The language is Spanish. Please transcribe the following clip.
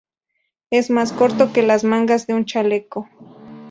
Es más corto que las mangas de un chaleco